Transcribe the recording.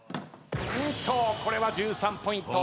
これは１３ポイント。